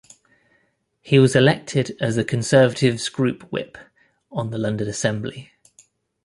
He was elected as the Conservative's Group Whip on the London Assembly.